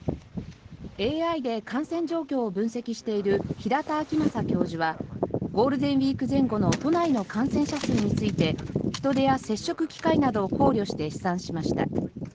ＡＩで感染状況を分析している平田晃正教授はゴールデンウィーク前後の都内の感染者数について人出や接触機会などを考慮して試算しました。